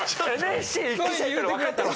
そういうの言うてくれたら。